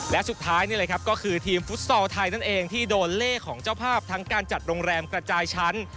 และสุดท้ายนี่แหละครับก็คือทีมฟุตซอลไทยนั่นเองที่โดนเลขของเจ้าภาพทั้งการจัดโรงแรมกระจายชั้น